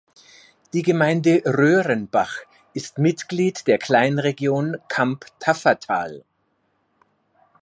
Die Gemeinde Röhrenbach ist Mitglied der Kleinregion Kamp-Taffatal.